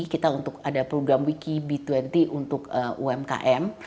kita untuk ada program wiki b dua puluh untuk umkm